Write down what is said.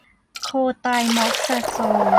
โคไตรม็อกซาโซล